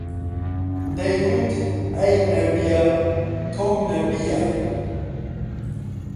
دەیگوت: ئەی نەبیە، تۆم نەبییە